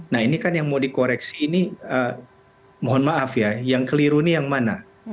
nah ini kan yang mau dikoreksi ini mohon maaf ya yang keliru ini yang mana